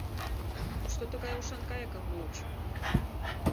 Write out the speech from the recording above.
— Кушто тыгай ушан кайыкым муыч?